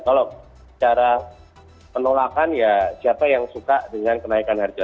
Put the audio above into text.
kalau secara penolakan ya siapa yang suka dengan kenaikan harga